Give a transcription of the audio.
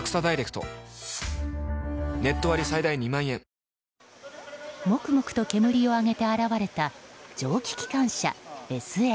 「ほんだし」でもくもくと煙を上げて現れた蒸気機関車・ＳＬ。